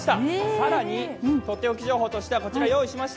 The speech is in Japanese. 更にとっておき情報としてはこちら用意しました。